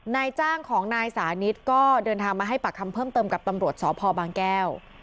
นายจ้างของนายสานิทก็เดินทางมาให้ปากคำเพิ่มเติมกับตำรวจสพบางแก้ว